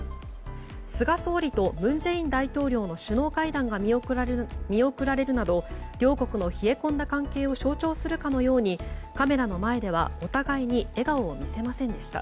菅総理と文在寅大統領の首脳会談が見送られるなど両国の冷え込んだ関係を象徴するかのようにカメラの前では、お互いに笑顔を見せませんでした。